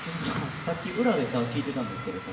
さっき裏でさ聴いてたんですけどさ